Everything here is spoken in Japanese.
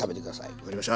分かりました！